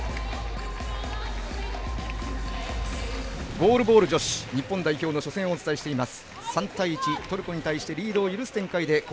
ゴールボール女子日本代表の初戦をお伝えしています。